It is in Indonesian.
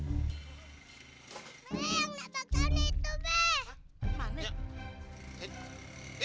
nih yang nabrak daunnya itu be